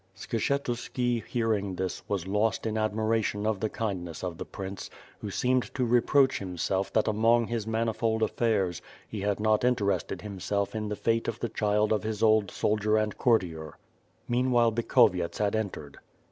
Skshetuski, hearing this, was lost in admiration of the kindness of the prince, who seemed to reproach himself that 94 ^ITH FIRE AND SWORD. among his manifold affairs, he had not interested himself in the fate of the child of his old soldier and courtier. Meanwhile Bikhovyets had entered.